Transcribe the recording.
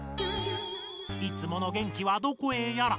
いつもの元気はどこへやら。